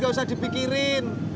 gak usah dipikirin